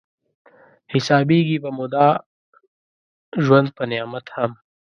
حسابېږي به مو دا ژوند په نعمت هم